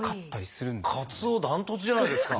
かつお断トツじゃないですか！